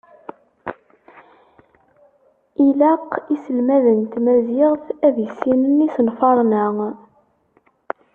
Ilaq iselmaden n tmaziɣt ad issinen isenfaṛen-a.